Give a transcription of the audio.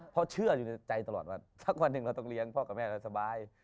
เพราะเชื่ออยู่ในใจตลอดว่าถ้าวันหนึ่งเราต้องเลี้ยงพ่อกับแม่เราสบาย